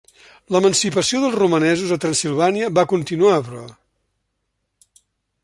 L'emancipació dels romanesos a Transsilvània va continuar, però.